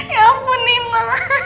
ya ampun dina